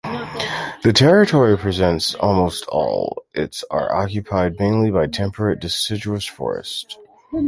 The territory presents almost all its are occupied mainly by temperate deciduous forest.